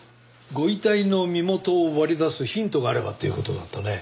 ご遺体の身元を割り出すヒントがあればっていう事だったね？